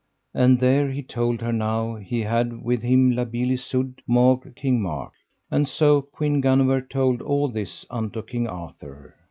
And there he told her how he had with him La Beale Isoud maugre King Mark, and so Queen Guenever told all this unto King Arthur.